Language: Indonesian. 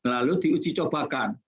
lalu diuji cobakan